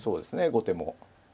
後手も。